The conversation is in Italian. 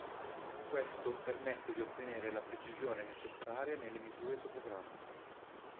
Questo permette di ottenere la precisione necessaria nelle misure topografiche.